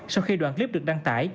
sau khi đoạn clip được đăng tải